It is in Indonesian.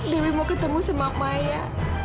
lebih mau ketemu sama maya